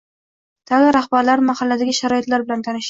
Davlat rahbari mahalladagi sharoitlar bilan tanishdi